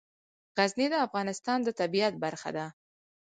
غزني د افغانستان د طبیعت برخه ده.